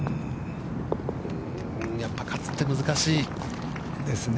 やっぱり勝って難しい。ですね。